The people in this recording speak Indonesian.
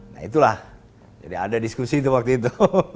nah itulah jadi ada diskusi itu waktu itu